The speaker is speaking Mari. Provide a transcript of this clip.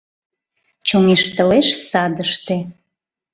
Чоҥештылеш садыште;